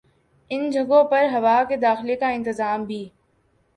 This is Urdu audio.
ان جگہوں پر ہوا کے داخلے کا انتظام بھی